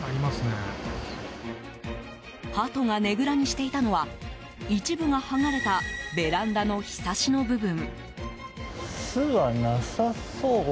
ハトがねぐらにしていたのは一部が剥がれたベランダのひさしの部分。